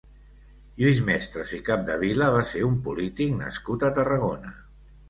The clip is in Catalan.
Lluís Mestres i Capdevila va ser un polític nascut a Tarragona.